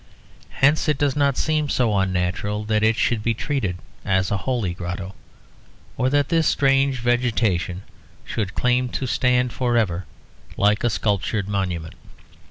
Hence it does not seem so unnatural that it should be treated as a holy grotto; or that this strange vegetation should claim to stand for ever like a sculptured monument.